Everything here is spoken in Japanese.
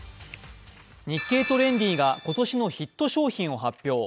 「日経トレンディ」が今年のヒット商品を発表。